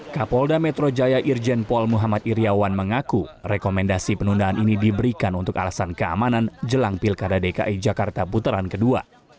kapolda metro jaya irjen pol muhammad iryawan mengaku rekomendasi penundaan ini diberikan untuk alasan keamanan jelang pilkada dki jakarta putaran kedua